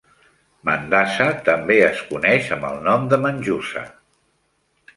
Mandasa també es coneix amb el nom de "Manjusha".